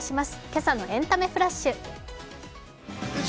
「今朝のエンタメフラッシュ」。